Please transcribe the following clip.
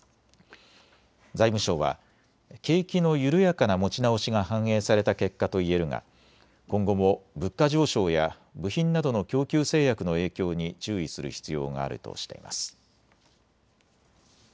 財務省は景気の緩やかな持ち直しが反映された結果と言えるが今後も物価上昇や部品などの供給制約の影響に注意する必要があるとしています。